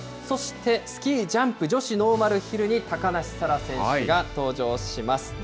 そしてスキージャンプ女子ノーマルヒルに、高梨沙羅選手が登場します。